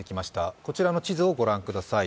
こちらの地図を御覧ください。